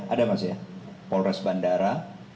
ada mas ya polres bandara